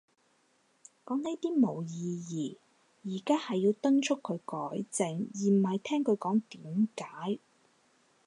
講呢啲冇意義。而家係要敦促佢改正，而唔係聽佢講點解